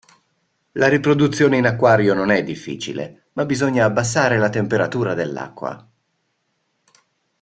La riproduzione in acquario non è difficile, ma bisogna abbassare la temperatura dell'acqua..